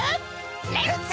レッツ！